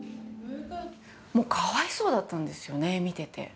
もうかわいそうだったんですよね、見てて。